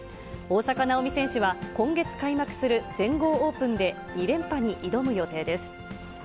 大坂なおみ選手は今月開幕する全豪オープンで、２連覇に挑む予定です。